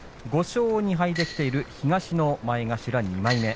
５勝２敗できている東の前頭２枚目。